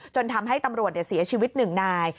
จนทำให้ตำรวจเสียชีวิตหนึ่งนาย